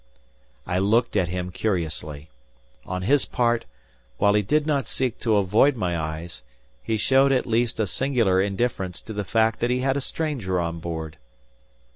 I looked at him curiously. On his part, while he did not seek to avoid my eyes, he showed at least a singular indifference to the fact that he had a stranger on board.